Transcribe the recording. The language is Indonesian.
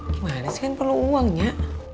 gimana sih kan perlu uangnya